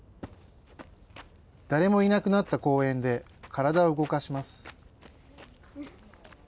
誰もいなくなった公園で体を動かします。